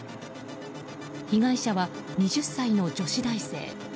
被害者は２０歳の女子大生。